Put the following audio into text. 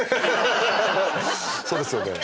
そうですよね。